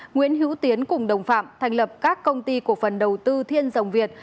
nguyễn hữu tiến cùng đồng phạm thành lập các công ty cổ phần đầu tư thiên dòng việt